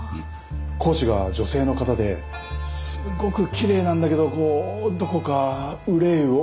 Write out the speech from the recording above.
講師が女性の方ですごくきれいなんだけどこうどこか愁いを帯びてるっていうか。